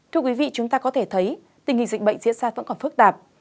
tuy nhiên tình hình dịch bệnh diễn ra vẫn còn phức tạp